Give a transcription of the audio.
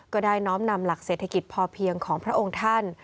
ก็ได้น้อมนำหลักเศรษฐกิจพอเพียงของพระองค์ท่าน